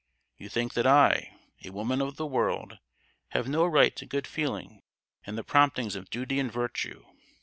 You think that I, a woman of the world, have no right to good feeling and the promptings of duty and virtue.